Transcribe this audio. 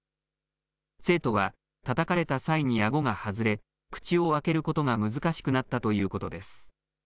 生徒はたたかれた際にあごが外れ口を開けることが難しくなったということです。